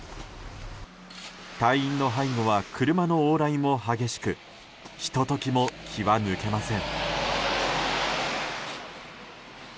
隊員の背後は車の往来も激しくひと時も気は抜けません。